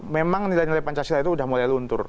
memang nilai nilai pancasila itu sudah mulai luntur